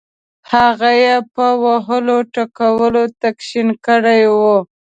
هغه یې په وهلو ټکولو تک شین کړی وو.